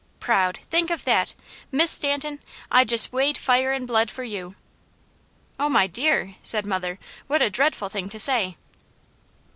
Proud! Think of that! Miss Stanton, I'd jest wade fire and blood for you!" "Oh my dear!" said mother. "What a dreadful thing to say!"